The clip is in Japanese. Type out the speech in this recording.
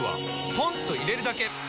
ポンと入れるだけ！